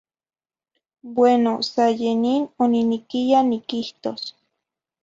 Bueno sa ye nin oniniquiya niquihtos.